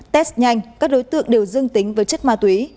test nhanh các đối tượng đều dương tính với chất ma túy